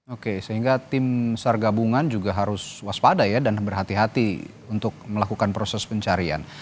oke sehingga tim sar gabungan juga harus waspada ya dan berhati hati untuk melakukan proses pencarian